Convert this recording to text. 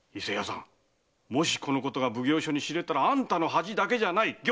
もしこのことが奉行所に知れたらあんたの恥だけじゃない。